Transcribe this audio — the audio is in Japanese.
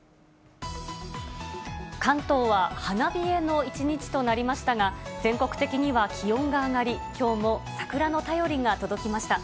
関東は花冷えの一日となりましたが、全国的には気温が上がり、きょうも桜の便りが届きました。